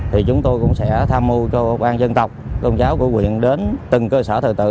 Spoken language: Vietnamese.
thì chúng tôi cũng sẽ tham mưu cho công an dân tộc tôn giáo của huyện đến từng cơ sở thờ tự